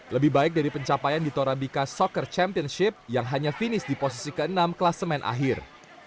lebih baik dari pencapaian di torabica soccer championship yang hanya finish di posisi ke enam kelasemen akhir